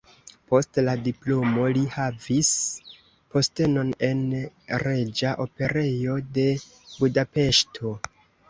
Post la diplomo li havis postenon en Reĝa Operejo de Budapeŝto.